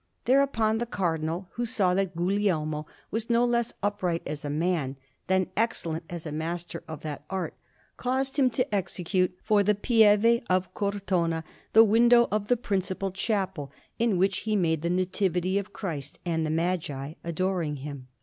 Thereupon the Cardinal, who saw that Guglielmo was no less upright as a man than excellent as a master of that art, caused him to execute, for the Pieve of Cortona, the window of the principal chapel, in which he made the Nativity of Christ and the Magi adoring Him.